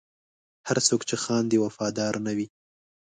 هر څوک چې خاندي، وفادار نه وي.